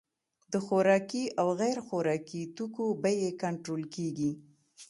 د خوراکي او غیر خوراکي توکو بیې کنټرول کیږي.